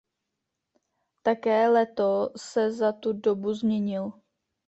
Také Leto se za tu dobu změnil.